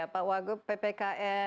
pak wagu ppk